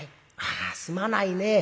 ああすまないねえ。